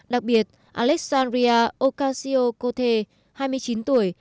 đặc biệt alexandria ocasio cortez hai mươi chín tuổi